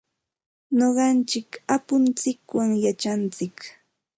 Nuqanchik apuntsikwan yachantsik.